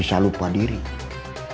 kembali kw procedrap m kle'an